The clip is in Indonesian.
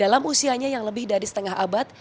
dalam usianya yang lebih dari setengah abad